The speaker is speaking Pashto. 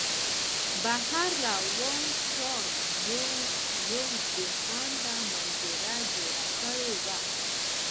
بهر وران ښار یوه بې خونده منظره جوړه کړې وه